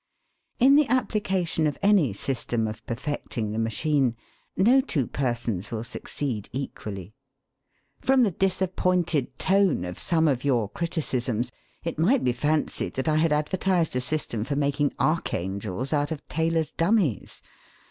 In the application of any system of perfecting the machine, no two persons will succeed equally. From the disappointed tone of some of your criticisms it might be fancied that I had advertised a system for making archangels out of tailors' dummies.